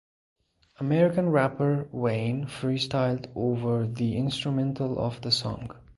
American rapper Wynne freestyled over the instrumental of the song.